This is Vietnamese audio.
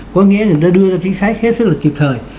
có nghĩa người ta đưa ra chính sách hết sức là kịp thời